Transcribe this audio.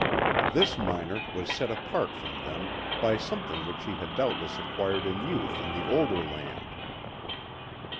This miner was set apart from them by something which he had doubtless acquired in youth in the older land.